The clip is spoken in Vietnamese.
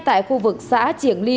tại khu vực xã triển ly